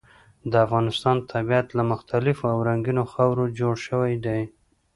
د افغانستان طبیعت له مختلفو او رنګینو خاورو جوړ شوی دی.